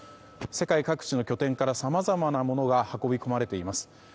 世界各地の拠点からさまざまな物が運び込まれています。